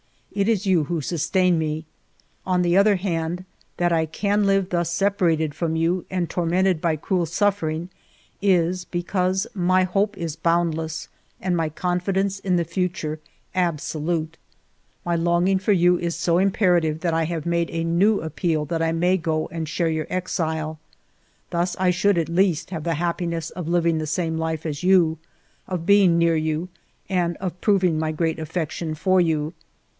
It is you who sustain me. ... On the other hand, that I can live thus separated from you and tormented by cruel suffering, is because my hope is boundless and my confidence in the future abso lute. My longing for you is so imperative that I have made a new appeal that I may go and share your exile. Thus I should at least have the happiness of living the same life as you, of being near you and of proving my great affection for you.